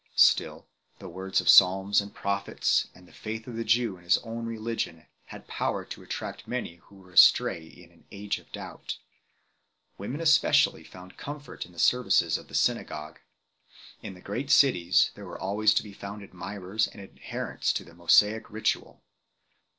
Still, the words of psalms and prophets, and the faith of the Jew in his own religion, had power to attract many who were astray in an age of doubt 3 . Women especially found comfort in the services of the synagogue. In the great cities, there were always to be found admirers and adherents of the Mosaic ritual.